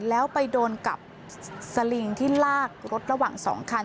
แล้วไปโดนกับสลิงที่ลากรถระหว่าง๒คัน